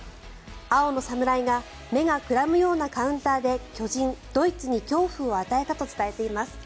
青の侍が目がくらむようなカウンターで巨人ドイツに恐怖を与えたと伝えています。